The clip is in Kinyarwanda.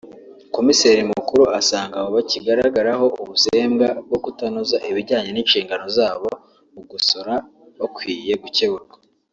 Komiseri Mukuru asanga abo bakigaragaraho ubusembwa bwo kutanoza ibijyanye n’inshingano zabo mu gusora bakwiye gukeburwa